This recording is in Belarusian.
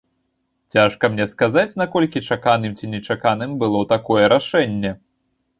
Цяжка мне сказаць, наколькі чаканым ці нечаканым было такое рашэнне.